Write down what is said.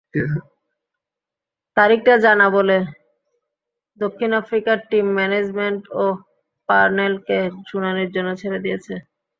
তারিখটা জানা বলে দক্ষিণ আফ্রিকার টিম ম্যানেজমেন্টও পারনেলকে শুনানির জন্য ছেড়ে দিয়েছে।